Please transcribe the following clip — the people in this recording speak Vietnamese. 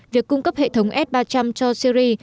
việc cung cấp hệ thống s ba trăm linh cho syri